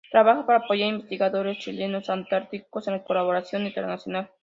Trabaja para apoyar investigadores chilenos antárticos en colaboración internacional.